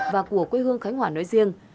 và của quê hương khánh hòa nói riêng